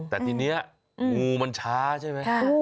แต่ทีนี้งูมันช้าใช่ไหม